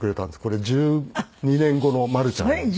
これ１２年後のまるちゃんです。